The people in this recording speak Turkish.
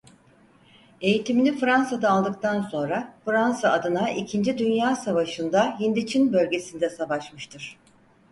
Eğitimini Fransa'da aldıktan sonra Fransa adına ikinci Dünya Savaşı'nda Hindiçin bölgesinde savaşmıştır.